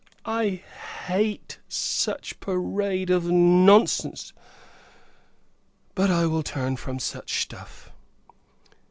I hate such parade of nonsense! But, I will turn from such stuff.